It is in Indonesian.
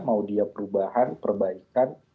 mau dia perubahan perbaikan